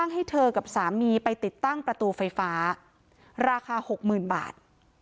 ให้เธอกับสามีไปติดตั้งประตูไฟฟ้าราคา๖๐๐๐บาท